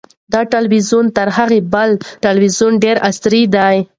دا تلویزیون تر هغه بل تلویزیون ډېر عصري دی.